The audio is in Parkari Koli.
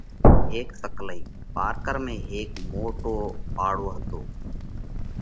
هيڪ سڪلئِي: پارڪر ۾ هيڪ موٽو پاڙو هتو۔